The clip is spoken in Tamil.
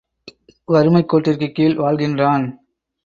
வறுமைக்கோட்டிற்குக் கீழ் வாழ்கின்றான்.